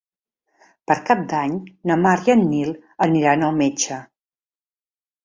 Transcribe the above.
Per Cap d'Any na Mar i en Nil aniran al metge.